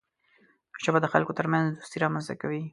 ژبه د خلکو ترمنځ دوستي رامنځته کوي